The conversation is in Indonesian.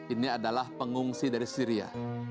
ini adalah pengungsi dari syria